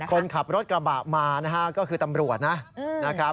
คนขับรถกระบะมาก็คือตำรวจนะ